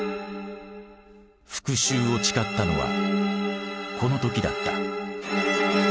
復讐を誓ったのはこの時だった。